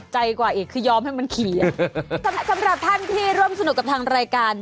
กว่าอีกคือยอมให้มันขี่อ่ะสำหรับท่านที่ร่วมสนุกกับทางรายการ